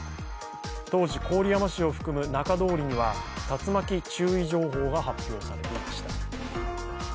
当時、郡山市を含む中通りには竜巻注意情報が発表されていました。